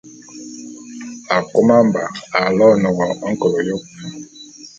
Akôma-Mba aloene wo nkôl yôp.